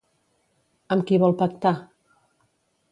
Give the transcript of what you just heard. Amb qui vol pactar?